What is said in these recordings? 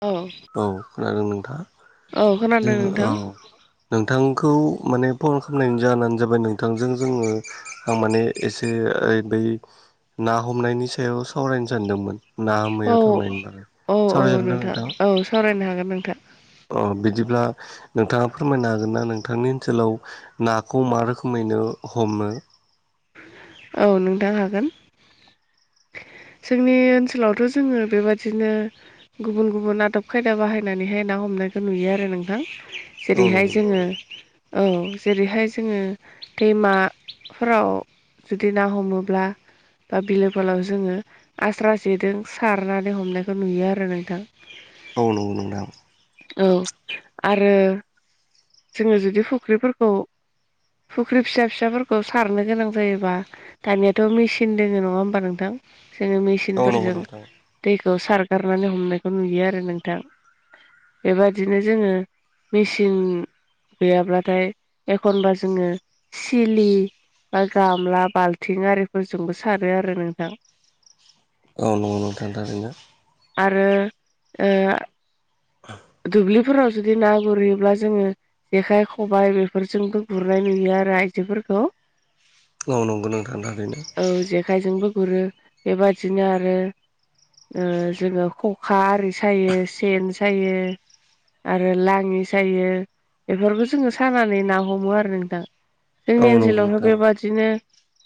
औ औ खोनादों नोंथाङा औ खोनादों जोङो औ नोंथां नोंथांखौ माने फन खालामनायनि जानो जाबाय नोंथांजों जोङो आं माने एसे बै ना हमनायनि सायाव सावरायनो सानदोंमोन। ना औ मैायाव थांनायबाल औ औ सावरायजानाय ना नोंथां? औ सावरायनो हागोन नोंथां। अ बिदिब्ला नोंथाङा फोरमायनो हागोन ना नोंथांनि ओनसोलाव नाखौ मा रोखोमैनो हमो औ नोंथां हागोन। जोंनि ओनसोलावथ' जोङो बेबादिनो गुबुन गुबुन आदब खायदा बाहायनानैहाय ना हमनायखौ नुयो आरो नोंथां। औ जेरैहाय जोङो औ जेरैहाय जोङो दैमाफोराव जुदि ना हमोब्ला बा बिलो फलाव जोङो आस्रा जेदों सारनानै हमनायखौ नुयो आरो नोंथां। औ नोगौ नोंथां औ आरो जोङो जुदि फुख्रिफोरखौ फुख्रि फिसा फिसाफोरखौ सारनो गोनां जायोबा दानियाथ' मेचन दोङ नङा होमबा नोंथां जोङो औ नंगौ मेचनफोरजों नोंथां दैखौ सारगारनानै हमनायखौ नुयो आरो नोंथां। बेबादिनो जोङो मेचिन गैयाब्लाथाय एखनब्ला जोङो सिलि बा गामला बाल्थिं आरिफोरजोंबो सारो आरो नोंथां। औ नंगौ नोंथांथा थारैनो आरो ओ [inaudible] दुब्लिफोराव जुदि ना गुरयोब्ला जोङो जेखाइ खबाइ बेफोरजोंबो गुरनाय नुयो आरो आइजोफोरखौ औ नंगौ नोंथां थारैनो औ जेखायजोंबो गुरो बेबादिनो आरो जोङो खखा आरि सायो सेन सायो। आरो लाङि सायो। बेफोरखौ जोङो सानानै ना हमो आरो नोंथां औ जोंनि नंगौ ओनसोलावहाय नोंथां बेबादि बिदिनो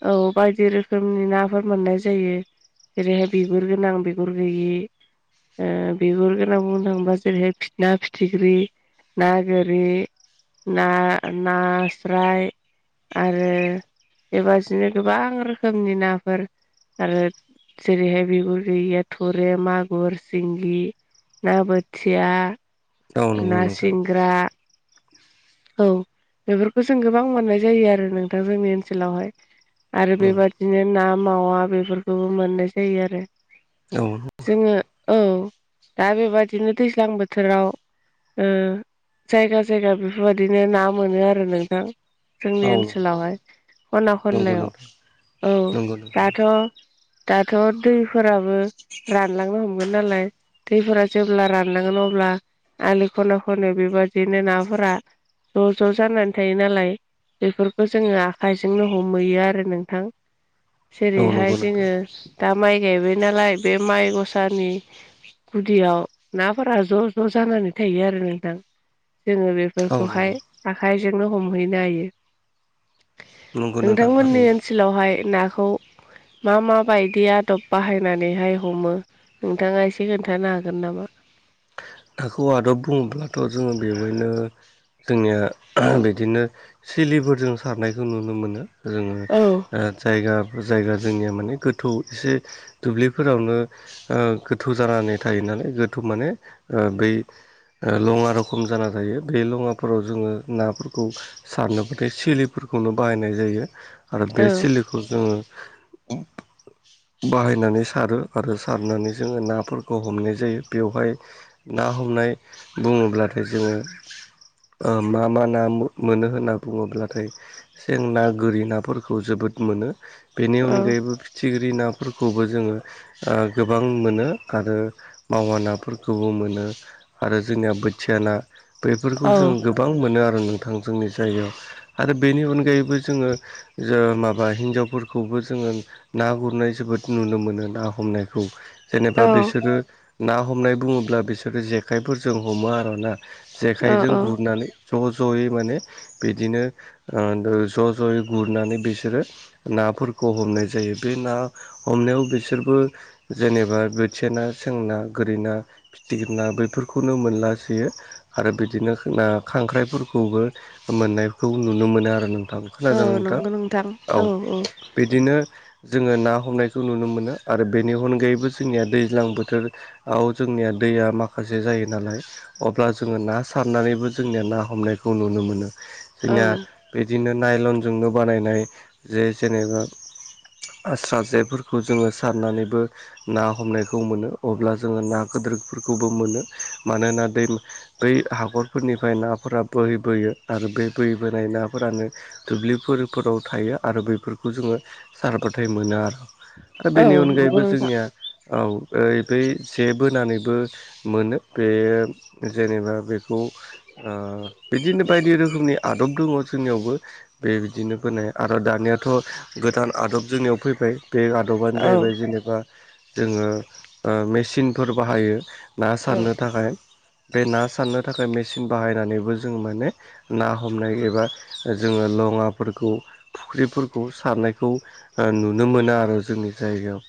औ बायदि रोखोमनि नाफोर मोननाय जायो। जेरैहाय बिगुर गोनां बिगुर गैयि बिगुर गोनां बुंनो थाङोबा जेरैहाय ना फिथिख्रि ना गोरि ना नास्राय आरो बेबादिनो गोबां रोखोमनि नाफोर आरो जेरैहाय बिगुर गैयैया थुरे मागुर सिंगि ना बोथिया औ नंगौ ना नोंथां सिंग्रा औ बेफोरखौ जों गोबां मोननाय जायो आरो नोंथां जोंनि ओनसोलावहाय आरो औ बेबादिनो ना मावा बेफोरखौबो मोननाय जायो आरो। औ जोङो औ दा बेबायदिनो दैज्लां बोथोराव जायगा जायगा बेफोरबायदिनो ना मोनो आरो नोंथां। जोंनि नंगौ ओनसोलावहाय खना नंगौ नोंथां खनलायाव औ नंगौ नोंथां दाथ' दाथ' दैफोराबो रानलांनो हमगोन नालाय दैफोरा जेब्ला रानलङोन नम अब्ला आलि खना खनायाव बेबायदिनो नाफोरा ज' ज' जानानै थायो नालाय बेफोरखौ जोङो आखाइजोंनो हमहैयो आरो नोंथां औ नंगौ जेरैहाय नोंथां जोङो दा माइ गायबाय नालाय बे माइ गसानि गुदियाव नाफोरा ज' ज' जानानै थायो आरो नोंथां जोङो औ बेफोरखौहाय नंगौ आखाइजोंनो हमहैनो हायो नंगौ नोंथां नोंथांमोननि थारैनो ओनसोल सोलावहाय नाखौ मा माबायदि आदब बाहायनानैहाय हमो नोंथाङा एसे खोन्थानो हागोन नामा नाखौ आदब बुङोब्लाथ' जोङो बेवहनो जोंनिया बिदिनो सिलिफोरजों सारनायखौ नुनो मोनो। जोङो औ जायगा जायगा जोंनिया माने गोथौ एसे दुब्लिफोरावनो ओ गोथौ जानानै थायो नालाय गोथौ माने ओ बै लङा रखम जाना थायो बे लङाफोराव जोङो नाफोरखौ सारनोबो सिलिफोरखौनो बाहायनाय जायो आरो औ बे सिलिखौ खौ जोङो बाहायनानै सारो आरो सारनानै जोङो नाफोरखौ हमनाय जायो बेवहाय ना हमनाय बुङोब्लाथाय जोङो ओ मा मा ना मोनो होनना बुङोब्लाथाय सें ना गोरि नाफोरखौ जोबोद मोनो बेनि औ अनगायैबो फिथिख्रि नाफोरखौबो जोङो ओ गोबां मोनो आरो मावानाफोरखौबो मोनो। जोंनिया बोथिया ना बेफोरखौ जों गो गोबां मोनो आरो नोंथां जोंनि जायगायाव आरो बेनि अनगायैबो जोङो जो माबा हिनजावफोरखौबो जोङो ना गुरनाय जोबोद नुनो मोनो ना हमनायखौ जेनेबा बिसोरो ना हमनाय बुङोब्ला बिसोर जेखाइफोरजों हमो आरोना जेखाइजों औ औ गुरनानै ज' ज'यै माने बिदिनो ओ ज' ज'यै गुरनानै बिसोरो नाफोरखौ हमनाय जायो बे ना हमनायाव बिसोरबो जेनेबा बोथिया ना सें ना गोरि ना फिथिख्रि ना बैफोरखौनो मोनलासोयो आरो बिदिनो ना खांख्राइफोरखौबो मोननायखौ नुनो मोनो आरो नोंथां। औ नंगौ नोंथां औ औ। बिदिनो जोङो ना हमनायखौ नुनो मोनो आरो बेनि अनगायैबो जोंनिया दैज्लां बोथोर औ जोंनिया दैया माखासे जायो नालाय अब्ला जोङो ना सारनानैबो जोंनिया ना हमनायखौ नुनो मोनो औ जोंनिया बिदिनो नायलनजोंनो बानायनाय जे जेनेबा आस्रा जेफोरखौ जोङो सारनानैबो ना हमनायखौ मोनो अब्ला जोङो ना गोदोरफोरखौबो मोनो मानोना दै बै हाखरफोरनिफ्राय नाफोरा बोहैबोयो आरो बे बोहैबोनाय नाफोरानो दुब्लिफोर फोराव थायो आरो बैफोरखौ जोङो सारबाथाय मोनो आरो। आरो औ बेनि नंगौ अनगायैबो नोंथां जोंनिया औ बै जे बोनानैबो मोनो बे जेनेबा बेखौ ओ बिदिनो बायदि रोखोमनि आदब दङ जोंनियावबो बेबायदिनो बोनाय आरो दानियाथ' गोदान आदब जोंनियाव फैबाय। बे आदबानो औ जाहैबाय जेनेबा जोङो ओ मेसिनफोर बाहायो ना औ सारनो थाखाय बे ना सारनो थाखाय मेचिन बाहायनानैबो जों माने ना हमनाय एबा जोङो लङाफोरखौ फुख्रिफोरखौ सारनायखौ ओ नुनो मोना आरो जोंनि जायगायाव।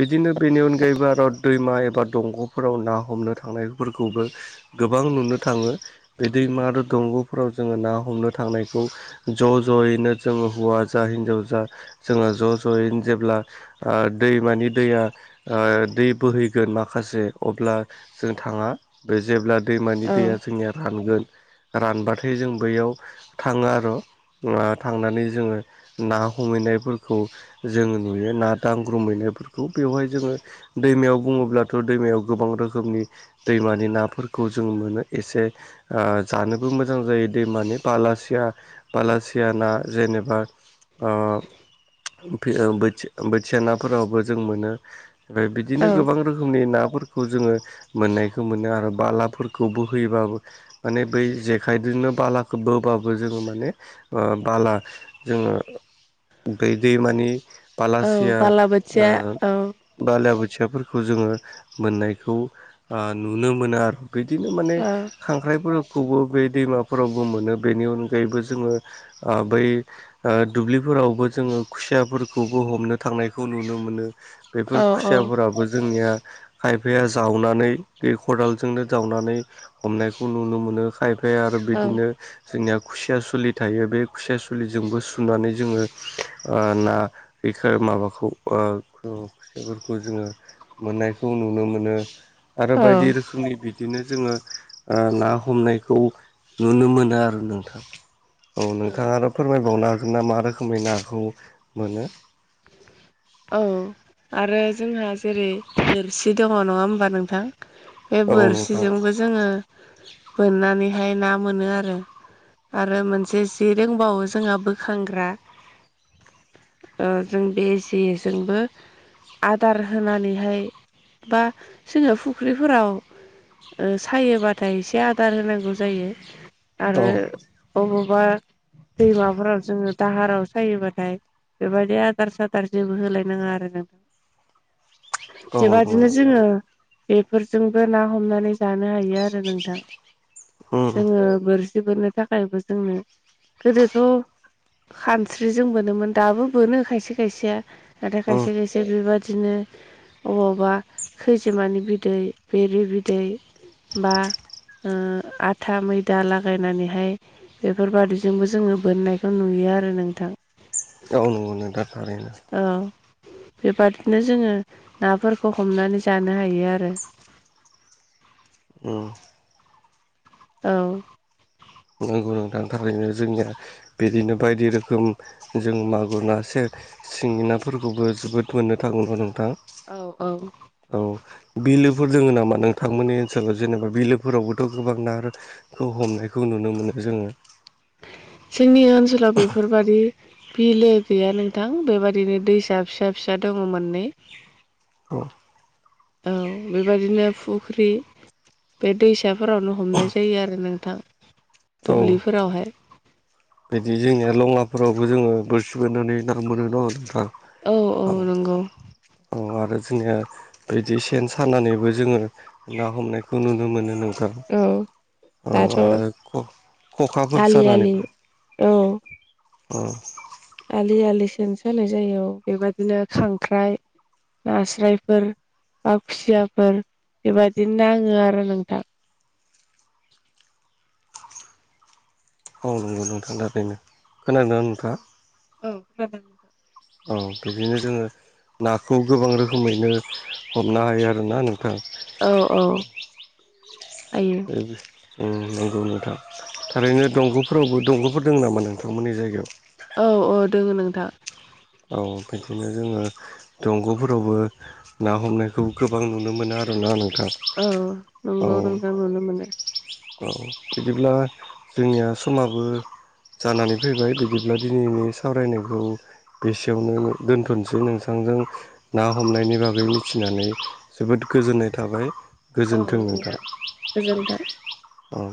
बिदिनो बेनि अनगायैबो आरो दैमा एबा दंग'फोराव ना हमनो थांनायफोरखौबो गोबां नुनो थाङो बे दैमा आरो दंग'फोराव जोङो ना हमनो थांनायखौ ज' जयैनो जोङो हौवा जा हिनजाव जा जोङो ज' जयैनो जेब्ला ओ दै मानि दैया दै बोहैगोन माखासे अब्ला जों थाङा बे जेब्ला दैमानि दैया जोंनिया रानगोन रानबाथाय जों बैयाव थाङो आरो थांनानै जोङो ना हमहैनायफोरखौ जों नुयो ना दांग्रोमहैनायफोरखौ बेवहाय जोङो दैमायाव बुङोब्लाथ' दैमायाव गोबां रोखोम रोखोमनि दैमानि नाफोरखौ जों मोनो एसे ओ जानोबो मोजां जायो दैमानि बालासिया बालासिया ना जेनेबा ओ बोथि बोथिया नाफोरावबो जों मोनो। ओमफ्राय बिदिनो औ गोबां रोखोमनि नाफोरखौ जोङो मोननायखौ मोनो आरो बालाफोरखौ बोहैयोबाबो माने बै जेखाइजोंनो बालाखौ बोबाबो जोङो माने बाला जोङो दै दैमानि औ बालासिया बालाबोथिया औ बाला आबोथियाफोरखौ जोङो मोननायखौ नुनो मोनो आरो बिदिनो माने औ खांख्राइफोरखौबो बे दैमाफोरावबो मोनो बेनि अनगायैबो जोङो बै दुब्लिफोरावबो जोङो खुसियाफोरखौबो हमनो थांनायखौ नुनो मोनो बेफोर औ खुसियाफोराबो जोंनिया खायफाया जावनानै बे खदालजोंनो जावनानै हमनायखौ नुनो मोनो खायफाया आरो बिदिनो जोंनिया खुसिया सुलि थायो बे खुसिया सुलिजोंबो सुनानै जोङो ना बेखौ माबाखौ [unintelligible] जोङो मोननायखौ नुनो मोनो आरो औ बायदि रोखोमनि बि दिनो जोङो ना हमनायखौ नुनो मोनो आरो नोंथां औ नोंथाङा आरो फोरमायबावनो हागोन ना मा रोखोमै नाखौ मोनो औ आरो जोंहा जेरै दोरसि दङ नङा होमबा नोंथां बे औ नोंथां बोरसिजोंबो जोङो बोननानैहाय ना मोनो आरो आरो मोनसे जि रोंबावो जोंहा बोखांग्रा ओ जों बे जे जोंबो आदार होनानैहाय बा जोङो फुख्रिफोराव सायोबाथाय एसे आदार होनांगौ जायो औ आरो अबावबा दैमाफोराव जोङो दाहाराव सायोबाथाय बेबायदि आदार सादार जे होलायनाङा आरो नोंथ औ नंगौ बेबादिनो नोंथां जोङो बेफोरजोंबो ना हमनानै जानो हायो आरो नोंथां उम जोङो बोरसि बोरनो थाखायबो जोंनो गोदोथ' खानस्रिजों बोनोमोन दाबो बोनो खायसे खायसेया नाथाय उम खायसे खायसे बेबादिनो अबावबा खैजिमानि बिदै बेरि बिदै बा आथा मैदा लागायनानैहाय बेफोरबादिजोंबो जोङो बोननायखौ नुयो आरो नोंथां गावनो मोनो दा थारैनो औ बेबादिनो जोङो नाफोरखौ हमनानै जानो हायो आरो। उम। औ। नांगौ नोंथांनि थारैनो जोंनिया बिदिनो बायदि रोखोम जों मागुर नासें सिंगि नाफोरखौबो जोबोद मोननो थागौमोन नोंथां। औ औ। औ बिलोफोर दोङो नामा? नोंथांमोननि ओनसोलाव जेनेबा बिलोफोरावबोथ' गोबां ना खौ हमनायखौ नुनो मोनो जोङो। जोंनि ओनसोलाव बेफोरबादि बिलो गैया नोंथां बेबादिनो दैसा फिसा फिसा दङ मोननै औ। औ बेबायदिनो फुख्रि बे दैसाफोरावनो हमनाय जायो आरो नोंथां औ दुब्लिफोरावहाय। बिदि जोंनिया लङाफोरावबो जोङो बोरसि बोनानै ना मोनो न नोंथां। औ औ आरो जोंनिया बिदि सेन सानानैबो जोङो ना हमनायखौ नुनो मोनो नों थां औ औ दाथ' आरो ख'-ख'खाफोर आलि आलि सानानैबो औ। उम। आलि आलि सेन सानाय जायो बेबदिनो खांख्राइ नास्रायफोर बा खुसियाफोर बेबायदि नाङो आरो नोंथां। औ नंगौ नोंथां थारैनो खोनादोंना नोंथाङा? औ खोनादों। नोंथां। औ बिदिनो जोङो नाखौ गोबां रोखोमैनो हमनो हायो आरोना नोंथां। औ औ ओ हायो बे अम नंगौ नोंथां थारैनो दंग'फोरावबो दंग'फोर दं नामा नोंथांमोननि जायगायाव? औ औ दोङो नोंथां। औ बिदिनो जोङो दंग'फोरावबो ना हमनायखौ गोबां नुनो मोनो आरोना नोंथां औ औ। नंगौ नोंथां नुनो मोनो औ बिदिब्ला जोंनिया समाबो जानानै फैबाय बिदिब्ला दिनैनि सावरायनायखौ एसेयावनो दोनथ'सै नोंथांजों ना हमनायनि बागै मिथिनानै जोबोद गोजोननाय थाबाय। गोजोन्थों नोंथां गोजोनथों औ।